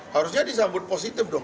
harusnya disambut positif dong